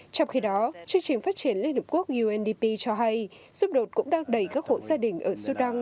trong khi đó chương trình phát triển liên hợp quốc undp cho hay xung đột cũng đang đẩy các hộ gia đình ở sudan